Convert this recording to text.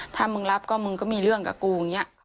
ถ้ามึงรับก็มึงก็มีเรื่องกับกู